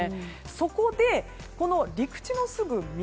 そこで、この陸地のすぐ南。